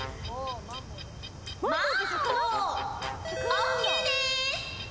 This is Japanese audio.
ＯＫです。